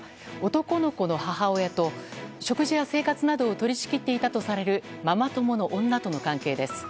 男の子の母親と食事や生活などを取り仕切っていたとされるママ友の女との関係です。